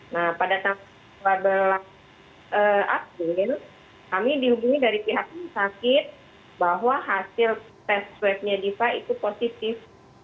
nah pada tanggal dua belas abis ini kami dihubungi dari pihak sakit bahwa hasil test trapnya diva itu positif